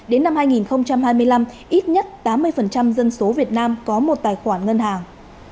đến năm hai nghìn hai mươi năm ít nhất tám mươi dân số việt nam có một tài khoản ngân hàng